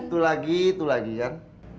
itu lagi itu lagi kan